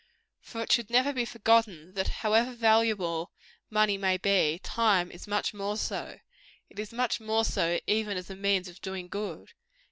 For it should never be forgotten, that however valuable money may be, time is much more so. It is much more so, even as a means of doing good.